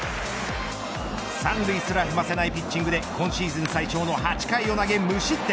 ３塁すら踏ませないピッチングで今シーズン最長の８回を投げ無失点。